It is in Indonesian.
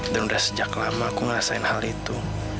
dan udah sejak lama aku ngerasain hal itu